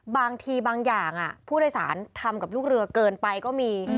บางทีบางอย่างผู้โดยสารทำกับลูกเรือเกินไปก็มี